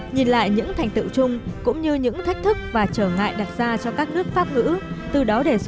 nhìn lại những thành tựu chung cũng như những thách thức và trở ngại đặt ra cho các nước pháp ngữ